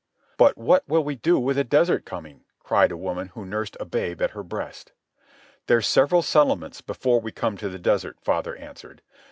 "But what will we do with the desert coming?" cried a woman who nursed a babe at her breast. "There's several settlements before we come to the desert," father answered.